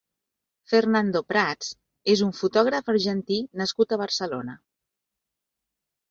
Fernando Prats és un fotògraf argentí nascut a Barcelona.